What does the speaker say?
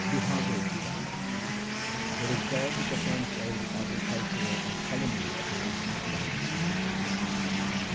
1 Bihagre ki War It is God who performs all the agricultural and culinary operations by which man subsists.